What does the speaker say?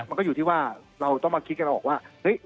มันก็อยู่ที่ว่าต้องมาคิดกันหรือเปล่าว่า